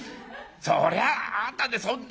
そりゃああんたねそんな。